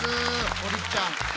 堀ちゃん。